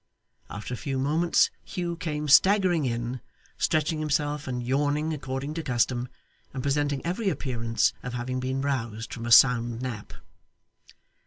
After a few moments, Hugh came staggering in, stretching himself and yawning according to custom, and presenting every appearance of having been roused from a sound nap.